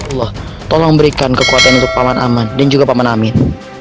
allah tolong berikan kekuatan untuk paman aman dan juga paman amin